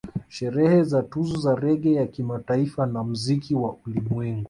Sherehe za Tuzo za Reggae ya Kimataifa na Muziki wa ulimwengu